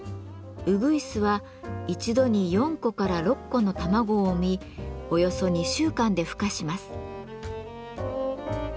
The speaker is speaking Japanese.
うぐいすは一度に４個から６個の卵を産みおよそ２週間でふ化します。